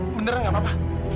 beneran enggak apa apa